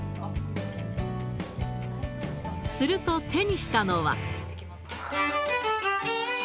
すると、手にしたのは。